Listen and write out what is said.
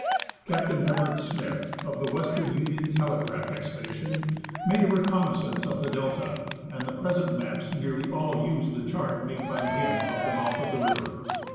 People of the Yukon. 183 Captain Everett Smith, of the Western Union Telegraj)h expe dition, ma^e a reconnaissance of the delta, and the present maps nearly all use the chart made by him of the mouth of the river.